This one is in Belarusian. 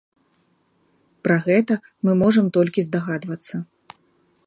Пра гэта мы можам толькі здагадвацца.